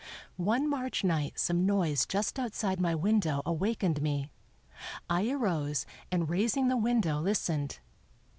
One March night some noise just outside my window awakened me. I arose and raising the window listened.